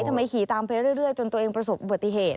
ทำไมขี่ตามไปเรื่อยจนตัวเองประสบบติเหตุ